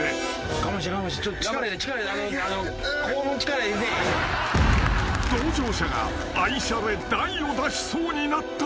［同乗者が愛車で大を出しそうになったら］